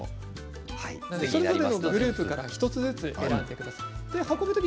それぞれのグループから１つずつ選んでください。